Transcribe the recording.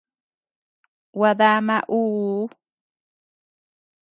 Gua damaa uu.